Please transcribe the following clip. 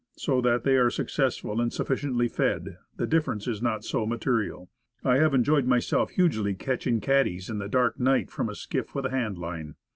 So that they are successful and sufficiently fed, the differ ence is not so material. I have enjoyed myself hugely catching catties on a dark night from a skiff, with a hand line.